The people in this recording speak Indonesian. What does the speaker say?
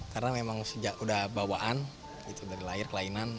karena memang sejak udah bawaan dari lahir kelainan